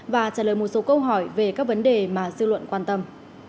và trả lời một số câu hỏi về các vấn đề mà dư luận quan tâm